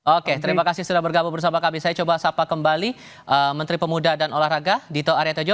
oke terima kasih sudah bergabung bersama kami saya coba sapa kembali menteri pemuda dan olahraga dito aryotojo